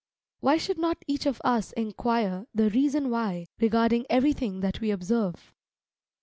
Why should not each of us enquire the "Reason Why" regarding everything that we observe?